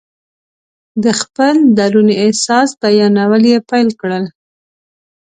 د خپل دروني احساس بیانول یې پیل کړل.